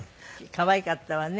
可愛かったわね。